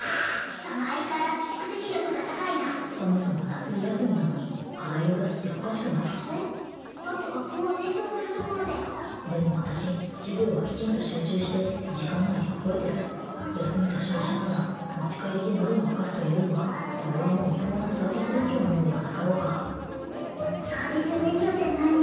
貴様相変わらず宿敵力が高いなそもそも夏休みなのに課題を出すっておかしくない？えっ？だって学校は勉強するところででも私授業はきちんと集中して時間内で覚えてる休みと称しながら持ち帰りでノルマを課すというのはこれはもう違法なサービス勉強なのではなかろうかサービス勉強って何？